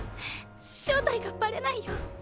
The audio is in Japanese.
正体がバレないよう着